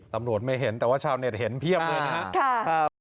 ตำรวจไม่เห็นแต่ว่าชาวเน็ตเห็นเพียบเลยนะครับ